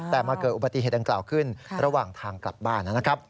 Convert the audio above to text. แต่มาเกิดอุบัติเหตุดังกล่าวขึ้นระหว่างทางกลับบ้านนะครับ